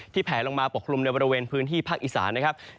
แผลลงมาปกคลุมในบริเวณพื้นที่ภาคอีสานนะครับ